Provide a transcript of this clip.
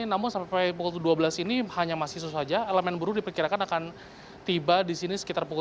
namun sampai pukul dua belas ini hanya mahasiswa saja elemen buruh diperkirakan akan tiba di sini sekitar pukul